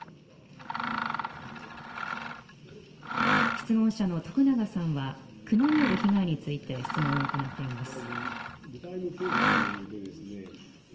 質問者の徳永さんは、熊による被害について質問を行っています。